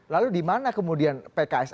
lalu di mana kemudian pks